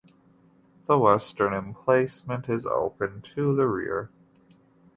The western emplacement is open to the rear.